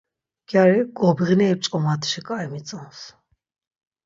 Gyari, gobğineri p̆ç̆k̆omatşi k̆ai mitzons.